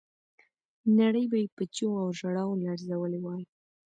نړۍ به یې په چیغو او ژړاو لړزولې وای.